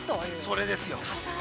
◆それですよ。